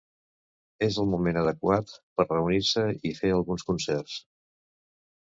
És el moment adequat per reunir-se i fer alguns concerts.